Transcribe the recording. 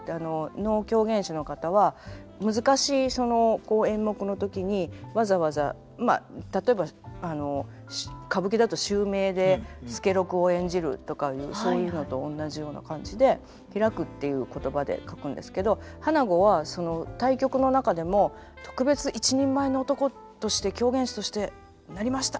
能狂言師の方は難しい演目の時にわざわざまあ例えば歌舞伎だと襲名で「助六」を演じるとかいうそういうのとおんなじような感じで「披く」っていう言葉で書くんですけど「花子」はその大曲の中でも「特別一人前の男として狂言師としてなりました！」